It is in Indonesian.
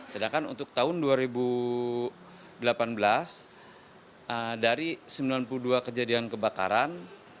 sedangkan untuk tahun dua ribu delapan belas dari sembilan puluh dua kejadian kebakaran